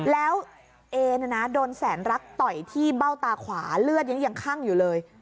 แล้วเอโดนแสนรักไทยที่เบ้าตาขวาเลื่อดอย่างขั้นอยู่เลย